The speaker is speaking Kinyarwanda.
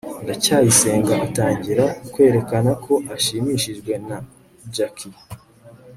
ndacyayisenga atangira kwerekana ko ashimishijwe na jaki